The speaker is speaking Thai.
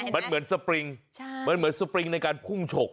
นี่เห็นไหมใช่มันเหมือนสปริงในการพุ่งฉก